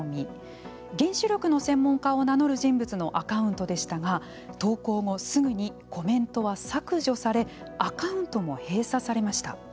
原子力の専門家を名乗る人物のアカウントでしたが投稿後、すぐにコメントは削除されアカウントも閉鎖されました。